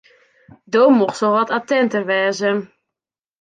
Do mochtst wol wat attinter wêze.